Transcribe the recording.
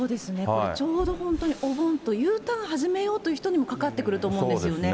これ、ちょうど本当にお盆と、Ｕターン始めようという人にも関わってくると思うんですよね。